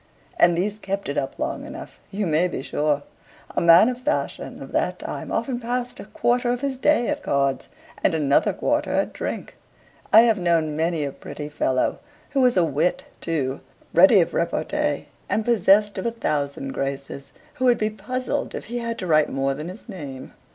And these kept it up long enough, you may be sure. A man of fashion of that time often passed a quarter of his day at cards, and another quarter at drink: I have known many a pretty fellow, who was a wit too, ready of repartee, and possessed of a thousand graces, who would be puzzled if he had to write more than his name.